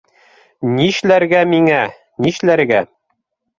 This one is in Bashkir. Нишләргә миңә, нишләргә...